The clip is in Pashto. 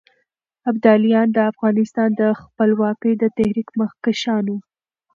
ابداليان د افغانستان د خپلواکۍ د تحريک مخکښان وو.